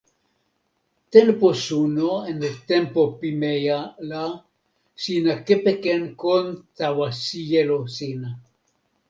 tenpo suno en tenpo pimeja la sina kepeken kon tawa sijelo sina.